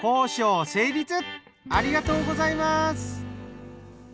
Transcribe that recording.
ありがとうございます。